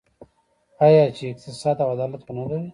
آیا چې اقتصاد او عدالت ونلري؟